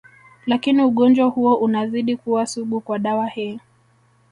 Lakini ugonjwa huo unazidi kuwa sugu kwa dawa hii